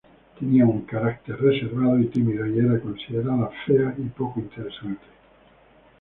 Tenía un carácter reservado y tímido, y era consideraba fea y poco interesante.